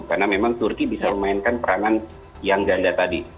karena memang turkiyaya bisa memainkan peranan yang ganda tadi